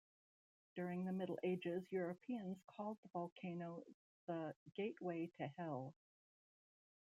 During the Middle Ages, Europeans called the volcano the "Gateway to Hell".